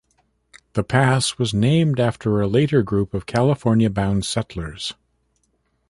The pass was named after a later group of California-bound settlers.